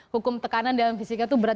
hukum tekanan dalam fisika itu berat